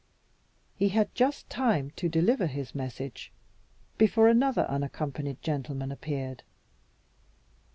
He had just time to deliver his message, before another unaccompanied gentleman appeared.